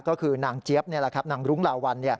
ก็คือนางเจี๊ยบนี่แหละครับนางรุ้งลาวัน